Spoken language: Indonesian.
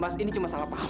mas ini cuma salah paham